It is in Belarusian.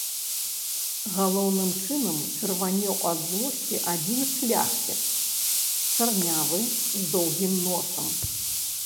Галоўным чынам чырванеў ад злосці адзін шляхціц, чарнявы, з доўгім носам.